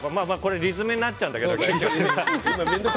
理詰めになっちゃうんだけど。